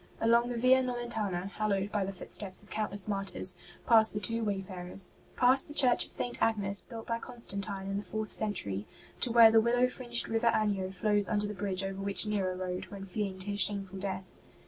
Along the Via Nomentana, hallowed by the footsteps of countless martyrs, passed the two wayfarers; past the church of St. Agnes, built by Constantine in the fourth century; to where the willow fringed River Anio flows under the bridge over which Nero rode, when fleeing to his shameful death.